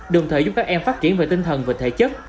đồng thời giúp các em phát triển về tinh thần và thể chất